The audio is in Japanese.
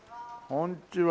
こんにちは。